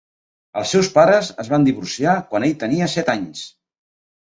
Els seus pares es van divorciar quan ell tenia set anys.